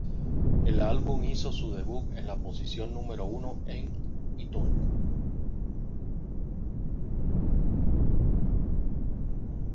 El álbum hizo su debut en la posición número uno en iTunes.